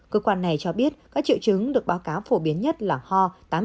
cơ quan này cho biết các triệu chứng được báo cáo phổ biến nhất là ho tám mươi chín